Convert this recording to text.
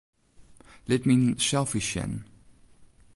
Lit myn selfies sjen.